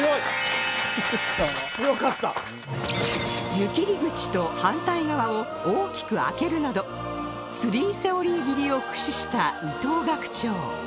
湯切り口と反対側を大きく開けるなどスリーセオリー切りを駆使した伊藤学長